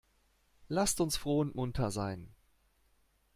Lasst uns froh und munter sein!